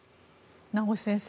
名越先生